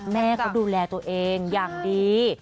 แม่ก็ดูแลตัวเองอย่างดี